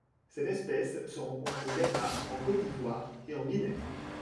Cette espèce se rencontre au Ghana, en Côte d'Ivoire et en Guinée.